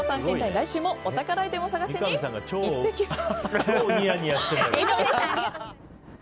来週もお宝アイテムを探しにいってきます！